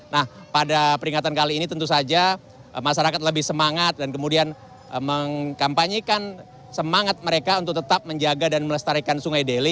nah pada peringatan kali ini tentu saja masyarakat lebih semangat dan kemudian mengkampanyekan semangat mereka untuk tetap menjaga dan melestarikan sungai deli